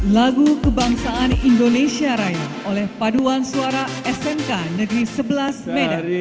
lagu kebangsaan indonesia raya oleh paduan suara smk negeri sebelas medan